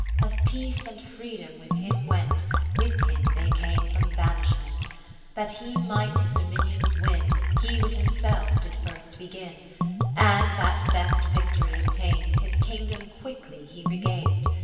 As Peace and Freedom with him went, 41 With him they came from banish ment. That he might his dominions win, He with himself did first begin ; And, that best victory obtained, His kingdom quickly he regain'd.